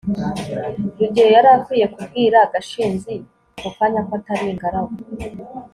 rugeyo yari akwiye kubwira gashinzi ako kanya ko atari ingaragu